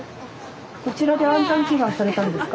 こちらで安産祈願されたんですか？